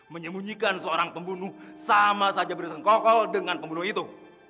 menyembunyikan seorang pembunuh sama saja bersengkokol dengan pembunuh itu